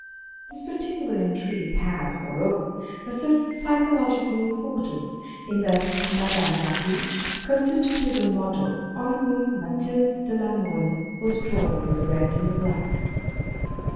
This particular intrigue has, moreover, a certain psychological importance in that Mme. Daru constituted the model on whom Mathilde de la Mole was drawn in The Red and the Black.